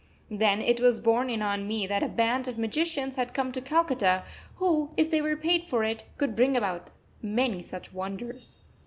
Then it was borne in on me that a band of magicians had come to Calcutta who, if they were paid for it, could bring about many such wonders.